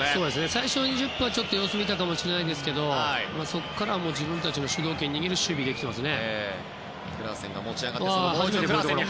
最初２０分は様子を見たかもしれませんけどそこから自分たちの主導権を握る守備ができています。